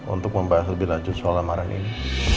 untuk membahas lebih lanjut soal lamaran ini